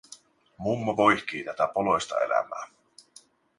Mummo voihkii tätä poloista elämää.